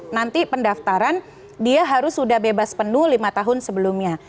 nanti pendaftaran dia harus sudah bebas penuh lima tahun sebelumnya